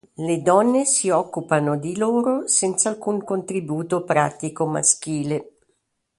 Le donne si occupano di loro senza alcun contributo pratico maschile.